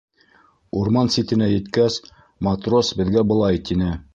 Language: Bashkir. Урман ситенә еткәс, матрос беҙгә былай тине: